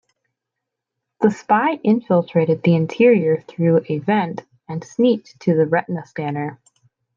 The spy infiltrated the interior through a vent and sneaked to the retina scanner.